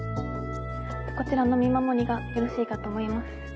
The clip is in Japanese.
こちらの「御守」がよろしいかと思います。